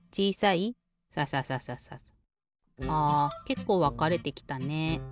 けっこうわかれてきたね。